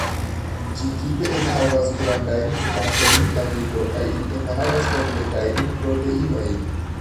Ĝi tipe enhavas grandajn kvantojn da fibro kaj ili enhavas kompletajn proteinojn.